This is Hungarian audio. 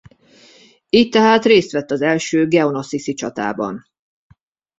Így tehát részt vett az első geonosisi csatában.